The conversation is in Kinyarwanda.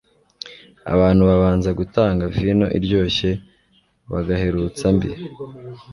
Abantu babanza gutanga vino iryoshye, bagaherutsa mbi,